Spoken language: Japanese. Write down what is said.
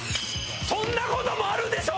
そんな事もあるでしょ！